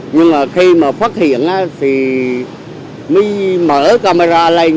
nhưng mà khi mà phát hiện thì mới mở camera lên